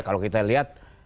kalau kita lihat